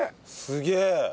すげえ。